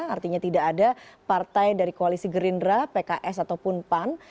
artinya tidak ada partai dari koalisi gerindra pks ataupun pan